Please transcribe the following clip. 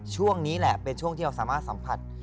ช่วงนี้แหละเป็นช่วงที่เราสามารถสัมผัส